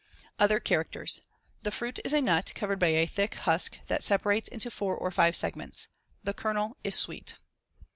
Other characters: The fruit is a nut covered by a thick husk that separates into 4 or 5 segments. The kernel is sweet.